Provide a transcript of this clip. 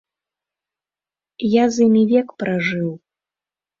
Я з імі век пражыў.